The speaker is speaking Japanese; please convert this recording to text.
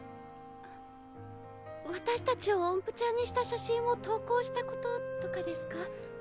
あ私たちをおんぷちゃんにした写真を投稿したこととかですか？